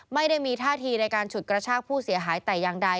ไม่ได้มีท่าทีในการฉุดกระชากผู้เสียหายแต่อย่างใด